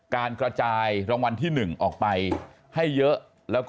การกระจายรางวัลที่๑ออกไปให้เยอะแล้วก็